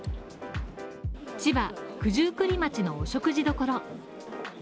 千葉・九十九里町のお食事処。